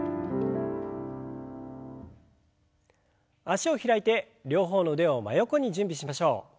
脚を開いて両方の腕を真横に準備しましょう。